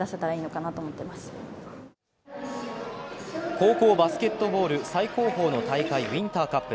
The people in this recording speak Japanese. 高校バスケットボール最高峰の大会ウインターカップ。